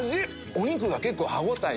お肉が結構歯応え